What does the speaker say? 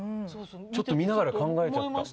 ちょっと見ながら考えちゃった。